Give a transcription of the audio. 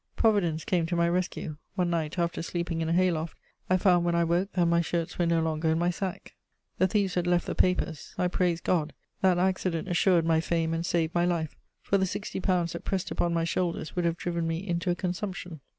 Providence came to my rescue: one night, after sleeping in a hay loft, I found, when I woke, that my shirts were no longer in my sack; the thieves had left the papers. I praised God: that accident assured my "fame" and saved my life, for the sixty pounds that pressed upon my shoulders would have driven me into a consumption.